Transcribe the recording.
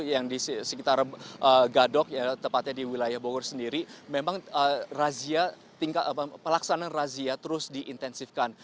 yang di sekitar gadok tepatnya di wilayah bogor sendiri memang pelaksanaan razia terus diintensifkan